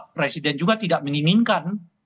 presiden juga tidak menginginkan